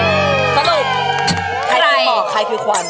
มอกใครคือขวัญ